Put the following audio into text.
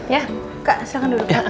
ya kak silahkan duduk